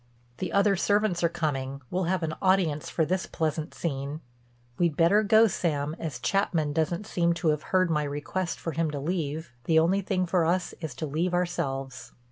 "The other servants are coming: we'll have an audience for this pleasant scene. We'd better go, Sam, as Chapman doesn't seem to have heard my request for him to leave, the only thing for us is to leave ourselves."